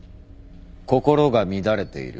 心が乱れている。